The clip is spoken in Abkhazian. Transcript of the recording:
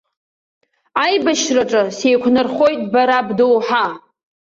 Аибашьраҿы сеиқәнархоит бара бдоуҳа.